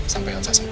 sampai elsa sembuh